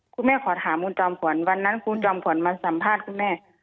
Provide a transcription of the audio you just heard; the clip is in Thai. ขอถามคุณจอมขวัญวันนั้นคุณจอมขวัญมาสัมภาษณ์คุณแม่